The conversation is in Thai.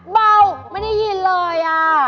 เบาไม่ได้ยินเลย